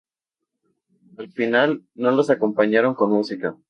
Al final, no los acompañaron con música.